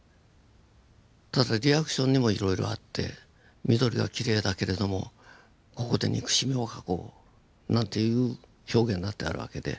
ただリアクションにもいろいろあって緑はきれいだけれどもここで憎しみを描こうなんていう表現だってあるわけで。